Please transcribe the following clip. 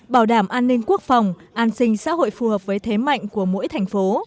bảo đảm an ninh quốc phòng an sinh xã hội phù hợp với thế mạnh của mỗi thành phố